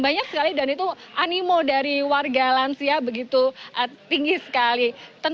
banyak sekali dan itu animo dari warga lansia begitu tinggi sekali